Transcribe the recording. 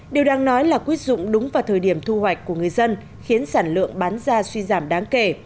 điều đang nói là quyết dụng đúng vào thời điểm thu hoạch của người dân khiến sản lượng bán ra suy giảm đáng kể